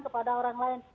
kepada orang lain